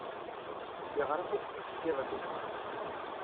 Yeɣṛa taglizit iḍelli?